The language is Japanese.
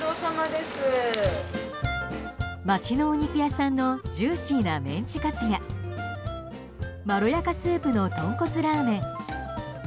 町のお肉屋さんのジューシーなメンチカツやまろやかスープの豚骨ラーメン。